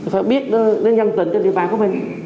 phải biết đến nhân tỉnh trên địa bàn của mình